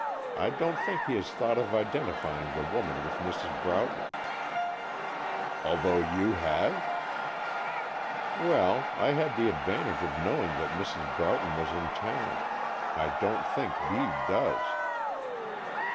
I don't think he has thought of identifying the woman with Mrs. Broughton." "Although you have?" "Well, I had the advantage of knowing that Mrs. Broughton was in town. I don't think Bede does."